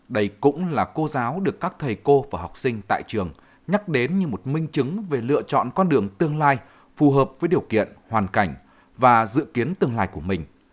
đây cũng là cô giáo được các thầy cô và học sinh tại trường nhắc đến như một minh chứng về lựa chọn con đường tương lai phù hợp với điều kiện hoàn cảnh và dự kiến tương lai của mình